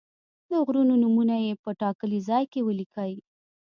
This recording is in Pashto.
د غرونو نومونه یې په ټاکلي ځای کې ولیکئ.